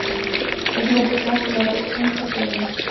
يذهب توم إلى بوسطن كثيرًا.